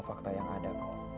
semua fakta yang ada bu